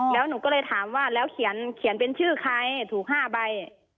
แล้วหนูก็เลยถามว่าแล้วเขียนเป็นชื่อใครถูก๕ใบ